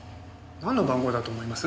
なんの番号だと思います？